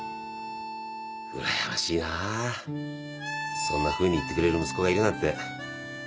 うらやましいなぁそんなふうに言ってくれる息子がいるなんて。